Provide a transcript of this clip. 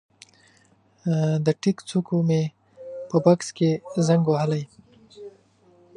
د ټیک څوکو مې په بکس کې زنګ وهلی